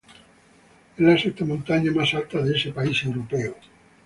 Es la sexta montaña más alta de ese país europeo.